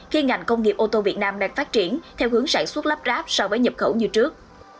khi ngành công nghiệp ô tô việt nam đang phát triển theo hướng sản xuất lắp ráp so với nhập khẩu như trước